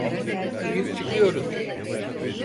Biz çıkıyoruz.